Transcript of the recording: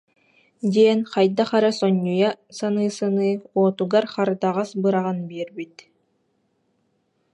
диэн хайдах эрэ сонньуйа саныы-саныы, уотугар хардаҕас быраҕан биэрбит